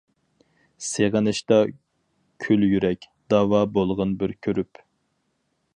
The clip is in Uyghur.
سېغىنىشتا كۈل يۈرەك، داۋا بولغىن بىر كۆرۈپ.